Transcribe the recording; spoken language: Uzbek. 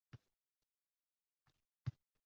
unga tayyorlanib olishi uchun vaqt berish mumkin.